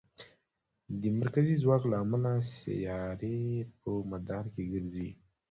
د مرکزي ځواک له امله سیارې په مدار کې ګرځي.